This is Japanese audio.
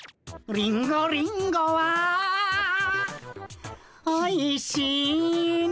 「リンゴリンゴはおいしいな」